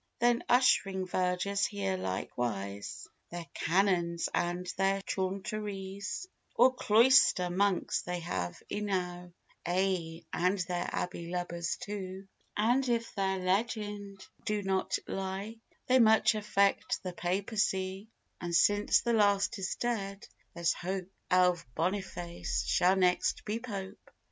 Their ush'ring vergers here likewise, Their canons and their chaunteries; Of cloister monks they have enow, Ay, and their abbey lubbers too: And if their legend do not lie, They much affect the papacy; And since the last is dead, there's hope Elve Boniface shall next be Pope.